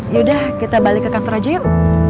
yaudah kita balik ke kantor aja yuk